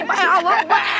pak heike apa